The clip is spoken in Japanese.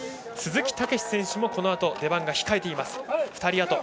鈴木猛史選手もこのあと出番が控えています。